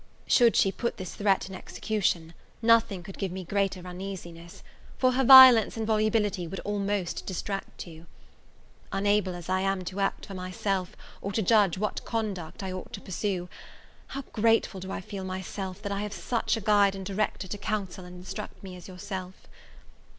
Should she put this threat in execution, nothing could give me greater uneasiness: for her violence and volubility would almost distract you. Unable as I am to act for myself, or to judge what conduct I ought to pursue, how grateful do I feel myself, that I have such a guide and director to counsel and instruct me as yourself!